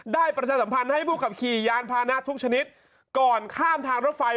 ประชาสัมพันธ์ให้ผู้ขับขี่ยานพานะทุกชนิดก่อนข้ามทางรถไฟ